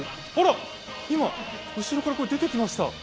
今、後ろから出てきました。